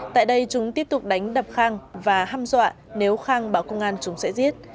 tại đây chúng tiếp tục đánh đập khang và ham dọa nếu khang bảo công an chúng sẽ giết